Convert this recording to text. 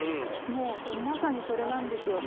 もうまさにそれなんですよ。